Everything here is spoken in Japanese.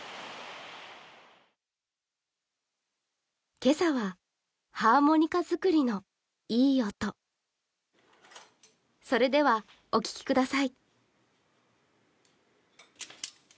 今朝は、ハーモニカ作りのいい音それではお聴きください。